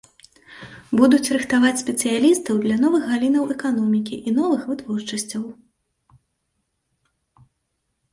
Будуць рыхтаваць спецыялістаў для новых галінаў эканомікі і новых вытворчасцяў.